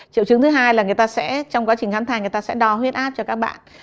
triệu chứng thứ hai là trong quá trình khám thai người ta sẽ đo huyết áp cho các bạn